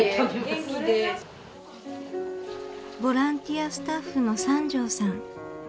ボランティアスタッフの三條さん。